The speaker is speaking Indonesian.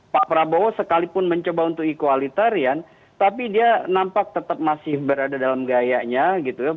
pak prabowo sekalipun mencoba untuk equalitarian tapi dia nampak tetap masih berada dalam gayanya gitu ya